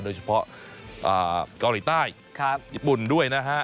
โดยเฉพาะเกาหลีใต้ญี่ปุ่นด้วยนะฮะ